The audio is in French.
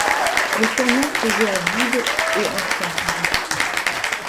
Le camion pesait à vide et en charge.